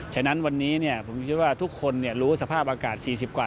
ฉะนั้นวันนี้ผมคิดว่าทุกคนรู้สภาพอากาศ๔๐กว่า